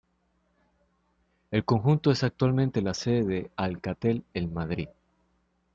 El conjunto es actualmente la sede de Alcatel en Madrid.